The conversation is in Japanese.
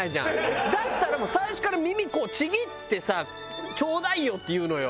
「だったらもう最初から耳こうちぎってさちょうだいよ」って言うのよ。